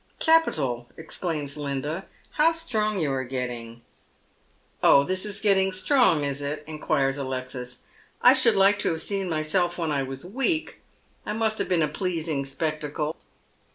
" Capital !" exclaims Linda. " How strong you are getting !"" Oh, this is getting strong, is it ?" enquires Alexis. " I should like to have seen myself when I was weak. I must have been a pleasing spectacle."